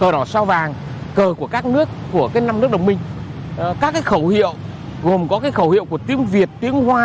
lòng ta vẫn chung một thụ hồ